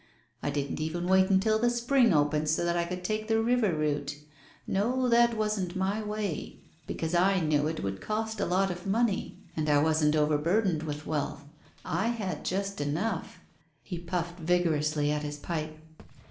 I didn't even wait until the spring opened so that I could take the river route. No, that wasn't my way, because I knew it would cost a lot of money and I wasn't overburdened with wealth. I had just enough " He puffed vigorously at his pipe.